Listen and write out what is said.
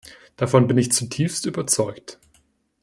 Davon bin ich zutiefst überzeugt.